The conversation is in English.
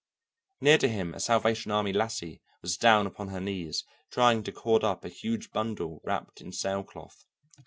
Near to him a Salvation Army lassie was down upon her knees trying to cord up a huge bundle wrapped in sail cloth.